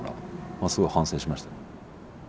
まあすごい反省しました。